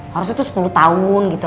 harusnya tuh sepuluh tahun gitu